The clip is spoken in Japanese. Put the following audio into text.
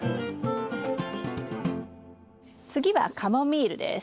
次はカモミールです。